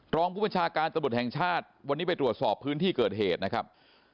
รองผู้บัญชาการตำรวจแห่งชาติวันนี้ไปตรวจสอบพื้นที่เกิดเหตุนะครับ